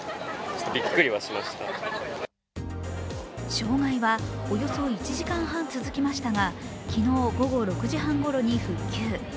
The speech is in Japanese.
障害は、およそ１時間半続きましたが昨日午後６時半ごろに復旧。